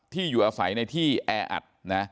ที่อยู่อาศัยในที่แออัดนะ